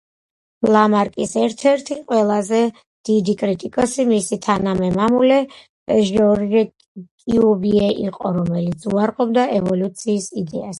ლამარკის ერთ-ერთი ყველაზე დიდი კრიტიკოსი მისი თანამემამულე ჟორჟ კიუვიე იყო, რომელიც უარყოფდა ევოლუციის იდეას.